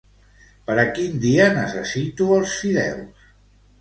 Per a quin dia necessito els fideus?